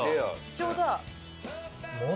貴重だ。